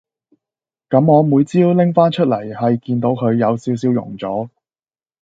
咁我每朝拎返出嚟係見到佢有少少溶咗